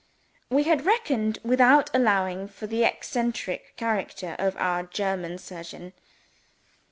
We had reckoned without allowing for the eccentric character of our German surgeon.